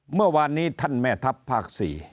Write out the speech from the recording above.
เมื่อวานนี้ท่านแม่ทัพภาค๔